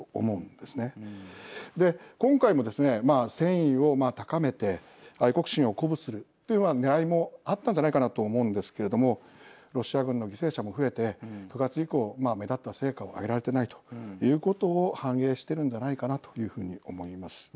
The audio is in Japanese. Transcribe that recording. で、今回もですね、戦意を高めて愛国心を鼓舞するというねらいもあったんじゃないかなと思うんですけれどもロシア軍の犠牲者も増えて９月以降目立った成果を挙げられていないということを反映しているんじゃないかなというふうに思います。